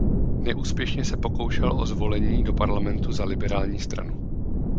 Neúspěšně se pokoušel o zvolení do parlamentu za Liberální stranu.